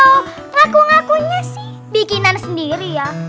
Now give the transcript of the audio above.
kalau ngaku ngakunya sih bikinan sendiri ya